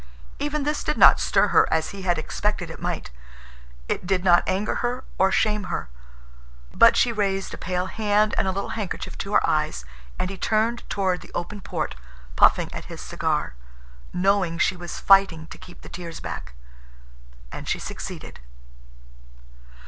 Even this did not stir her as he had expected it might. It did not anger her or shame her. But she raised a pale hand and a little handkerchief to her eyes, and he turned toward the open port, puffing at his cigar, knowing she was fighting to keep the tears back. And she succeeded.